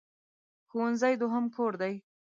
ښوونځی دوهم کور دی.